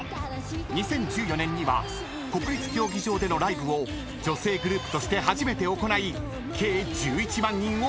［２０１４年には国立競技場でのライブを女性グループとして初めて行い計１１万人を動員しました］